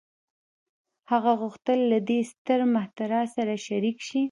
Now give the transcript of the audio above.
هغه غوښتل له دې ستر مخترع سره شريک شي.